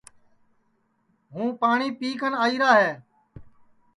ہوں پاٹؔی پی کن آئیرا ہے